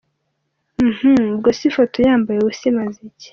uhhh, ubwose ifoto yambaye ubusa imaze iki?